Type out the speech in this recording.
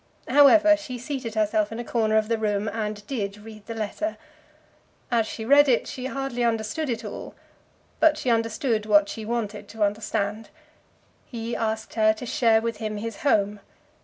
However, she seated herself in a corner of the room and did read the letter. As she read it, she hardly understood it all; but she understood what she wanted to understand. He asked her to share with him his home.